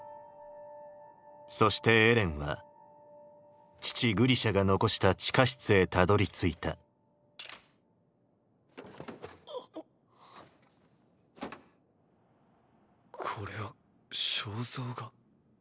そしてエレンは父グリシャが残した地下室へたどりついたこれは肖像画？